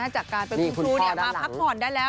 จากการเป็นครูจะมาพักห่วนได้แล้ว